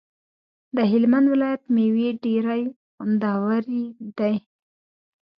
د هلمند ولایت ميوی ډيری خوندوری دی